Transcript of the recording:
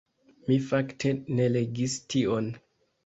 Mi fakte ne legis tion.